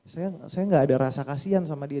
saya nggak ada rasa kasihan sama dia